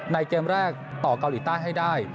เกมแรกต่อเกาหลีใต้ให้ได้